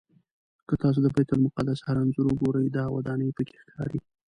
که تاسو د بیت المقدس هر انځور وګورئ دا ودانۍ پکې ښکاري.